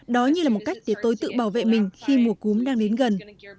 đó như là một cách để tôi tự bảo vệ mình khi mùa cúm đang đến gần